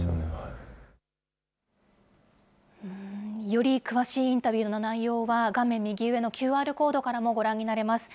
より詳しいインタビューの内容は、画面右上のＱＲコードからもご覧になれます。